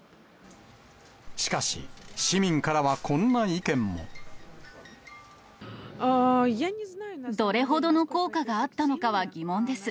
しかし、市民からはこんな意どれほどの効果があったのかは疑問です。